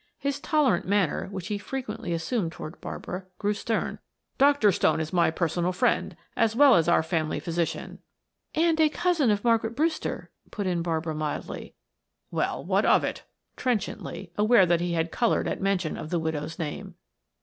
His tolerant manner, which he frequently assumed toward Barbara, grew stern. "Dr. Stone is my personal friend, as well as our family physician " "And a cousin of Margaret Brewster," put in Barbara mildly. "Well, what of it?" trenchantly, aware that he had colored at mention of the widow's name.